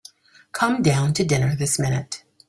Come down to dinner this minute.